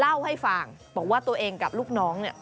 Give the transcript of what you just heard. เล่าให้ฟังบอกว่าตัวเองกับลูกน้องเนี่ย